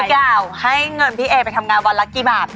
เก่าให้เงินพี่เอไปทำงานวันละกี่บาท